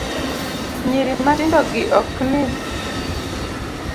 Nyiri matindogi ok ny